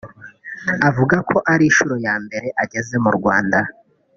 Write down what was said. Avuga ko ari nshuro ya mbere ageze mu Rwanda